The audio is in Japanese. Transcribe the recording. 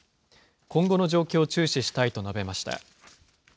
今後の状況を注視したいと述べました。